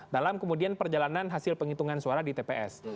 dalam kemudian perjalanan hasil penghitungan suara di tps